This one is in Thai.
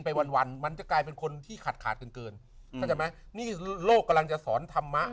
ไปวันมันจะกลายเป็นคนที่ขาดเกินนี่โลกกำลังจะสอนธรรมะ